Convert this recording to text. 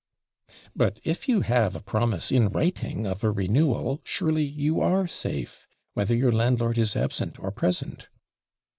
'But if you have a promise in writing of a renewal, surely you are safe, whether your landlord is absent or present?'